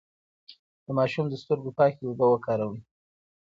د ماشوم د سترګو پاکې اوبه وکاروئ.